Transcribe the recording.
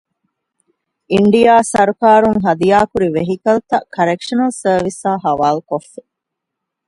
އިންޑިއާ ސަރުކާރުން ހަދިޔާކުރި ވެހިކަލްތައް ކަރެކްޝަނަލް ސަރވިސްއާ ހަވާލުކޮށްފި